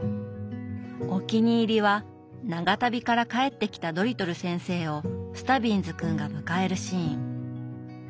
お気に入りは長旅から帰ってきたドリトル先生をスタビンズ君が迎えるシーン。